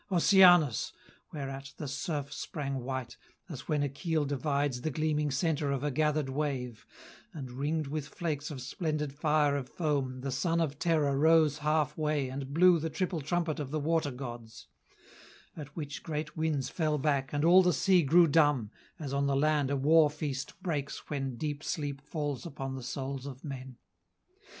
Oceanus!" Whereat The surf sprang white, as when a keel divides The gleaming centre of a gathered wave; And, ringed with flakes of splendid fire of foam, The son of Terra rose half way and blew The triple trumpet of the water gods, At which great winds fell back and all the sea Grew dumb, as on the land a war feast breaks When deep sleep falls upon the souls of men.